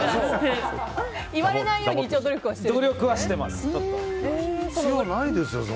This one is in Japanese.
言われないように努力はしているんですね。